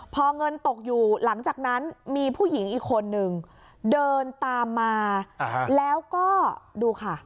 พอเงินตกอยู่หลังจากนั้นมีผู้หญิงอีกคนนึงเดินตามมาแล้วก็ดูค่ะ